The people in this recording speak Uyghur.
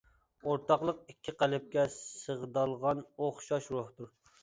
ئورتاقلىق ئىككى قەلبكە سىغدالغان ئوخشاش روھتۇر.